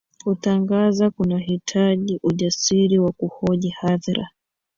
kutangaza kunahitaji ujasiri wa kuhoji hadhira